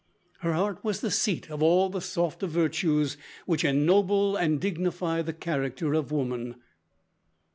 Her heart was the seat of all the softer virtues which ennoble and dignify the character of woman.